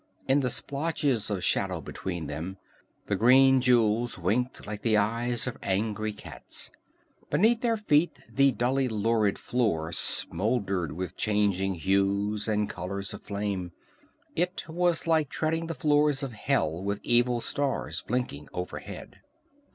In the splotches of shadow between them, the green jewels winked like the eyes of angry cats. Beneath their feet the dully lurid floor smoldered with changing hues and colors of flame. It was like treading the floors of hell with evil stars blinking overhead.